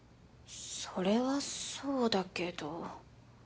それはそうだけど。